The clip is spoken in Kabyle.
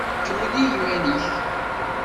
Kemmel i yiman-nnek.